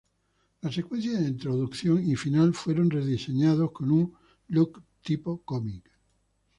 La secuencia de introducción y final fueron rediseñados con un look tipo cómic.